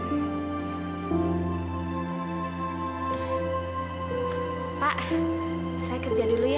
pak saya kerja dulu ya